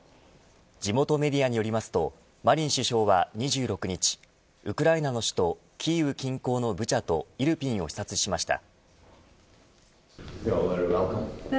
地元メディアによりますとマリン首相は、２６日ウクライナの首都キーウ近郊のブチャとイルピンを視察しました。